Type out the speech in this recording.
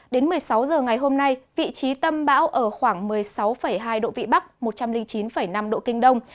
đến một mươi sáu h ngày hôm nay vị trí tâm bão ở khoảng một mươi sáu hai độ vị bắc một trăm linh chín năm độ kinh đông